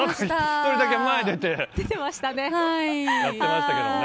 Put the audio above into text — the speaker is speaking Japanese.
１人だけ前に出てやってましたけど。